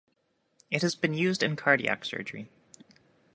It has been used in cardiac surgery.